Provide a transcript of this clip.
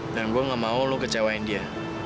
dan gue gak mau lo kecewain dia